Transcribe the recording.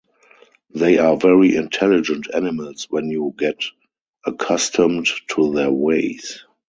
They are very intelligent animals when you get accustomed to their ways.